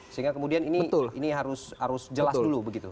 sehingga kemudian ini harus jelas dulu begitu